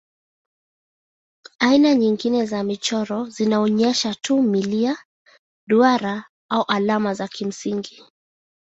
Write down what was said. Aina nyingine za michoro zinaonyesha tu milia, duara au alama za kimsingi.